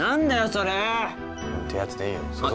それってやつでいいよあっ